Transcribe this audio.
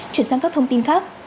chuyển sang các thông tin khác